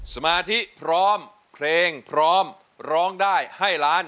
สมาธิพร้อมเพลงพร้อมร้องได้ให้ล้าน